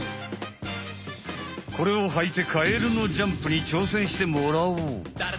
これをはいてカエルのジャンプにちょうせんしてもらおう。